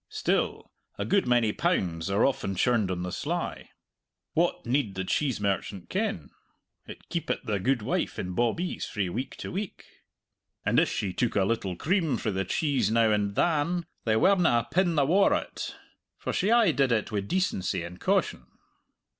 Still, a good many pounds are often churned on the sly. What need the cheese merchant ken? it keepit the gudewife in bawbees frae week to week; and if she took a little cream frae the cheese now and than they werena a pin the waur o't, for she aye did it wi' decency and caution!